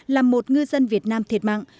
làm một ngư dân việt nam thiệt mạng